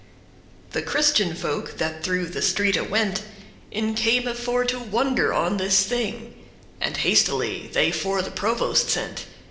The Christian folk, that through the streete went, In came, for to wonder on this thing: And hastily they for the provost sent.